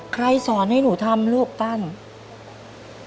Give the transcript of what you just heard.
สอนให้หนูทำลูกตั้น